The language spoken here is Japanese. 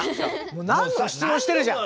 何度も質問してるじゃん。